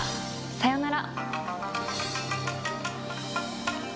さよなら。